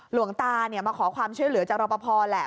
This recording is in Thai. หลวงตามาขอความเชื่อเหลือจากรับประพอแหละ